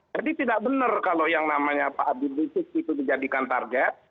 jadi tidak benar kalau yang namanya pak habib risik itu dijadikan target